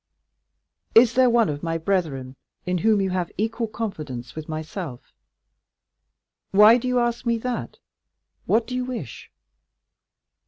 "Is there one of my brethren in whom you have equal confidence with myself?" "Why do you ask me that?—what do you wish?"